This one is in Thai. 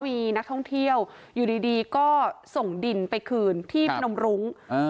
มีนักท่องเที่ยวอยู่ดีก็ส่งดินไปคืนที่พนมรุ้ง